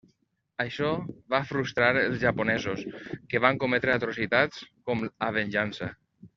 Això va frustrar els japonesos, que van cometre atrocitats com a venjança.